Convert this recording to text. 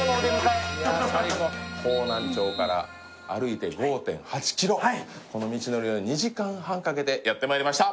最高方南町から歩いて５．８ｋｍはいこの道のりを２時間半かけてやってまいりました